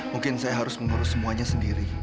mungkin saya harus mengurus semuanya sendiri